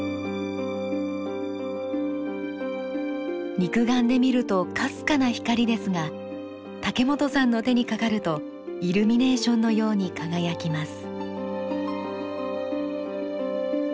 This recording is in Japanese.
肉眼で見るとかすかな光ですが竹本さんの手にかかるとイルミネーションのように輝きます。